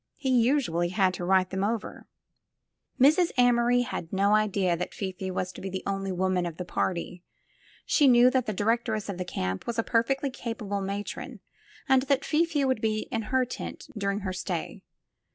He usually had to write them over. 188 THE FILM OF FATE Mrs. Amory had no idea that Fifi was to be the only woman of the party. She knew that the directress of the camp was a perfectly capable matron and that Fifi would be in her tent during her stay.